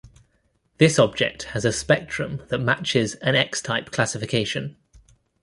This object has a spectrum that matches an X-type classification.